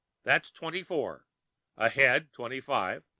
that's twenty four. A head, twenty five.